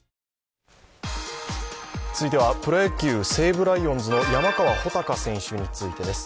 続いてはプロ野球・西武ライオンズの山川穂高選手についてです。